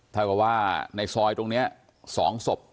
ถ้าเกิดว่าในซอยตรงนี้มีสองศพ